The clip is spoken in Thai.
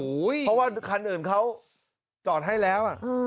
โอ้โว้ยเพราะว่าคันอื่นเขาจอดให้แล้วอ่ะ